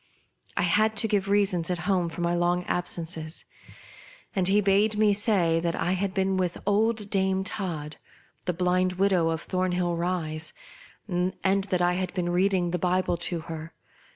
I had to give reasons at home for my long absences, and he bade me say that I had been with old Dame Todd, the blind widow of Thornhill Rise, and that I had been reading the Bible to her.